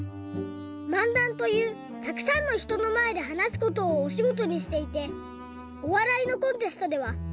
漫談というたくさんのひとのまえではなすことをおしごとにしていておわらいのコンテストではゆうしょうもしています！